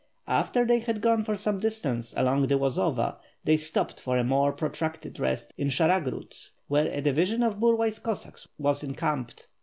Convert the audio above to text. After they had gone for some distance along the Lozova, they stopped for a more protracted rest in Sharagrod where a division of Burlay's Cossack's was encamped.